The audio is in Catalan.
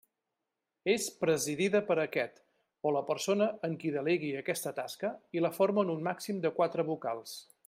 És presidida per aquest, o la persona en qui delegui aquesta tasca, i la formen un màxim de quatre vocals.